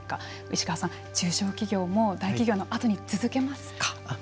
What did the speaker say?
石川さん、中小企業も大企業のあとに続けますか。